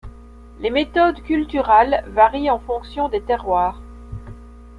Les méthodes culturales varient en fonction des terroirs.